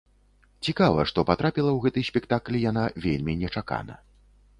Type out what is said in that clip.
Цікава, што патрапіла ў гэты спектакль яна вельмі нечакана.